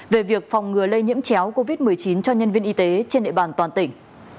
về việc phòng ngừa lây nhiễm chéo covid một mươi chín cho nhân viên y tế trên địa bàn toàn tỉnh